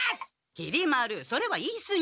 きり丸それは言いすぎ！